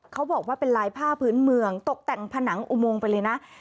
เขาบอกว่าเป็นลายผ้าพื้นเมืองตกแต่งผนังอุโมงไปเลยนะ